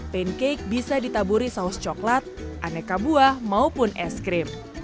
pancake bisa ditaburi saus coklat aneka buah maupun es krim